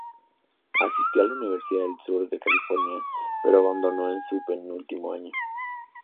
Asistió a la Universidad del Sur de California, pero abandonó en su penúltimo año.